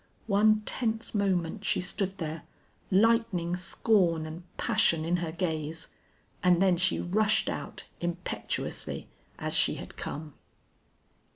One tense moment she stood there, lightning scorn and passion in her gaze, and then she rushed out, impetuously, as she had come.